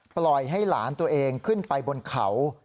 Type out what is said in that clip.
ปล่อยให้หลานตัวเองขึ้นไปบนเขา